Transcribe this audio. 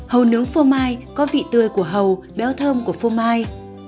hầu nướng phô mai có vị tươi của hầu béo thơm của phô mai